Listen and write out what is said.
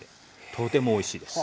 とてもおいしいです。